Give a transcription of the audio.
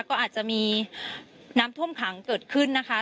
ก็อาจจะมีน้ำท่วมขังเกิดขึ้นนะคะ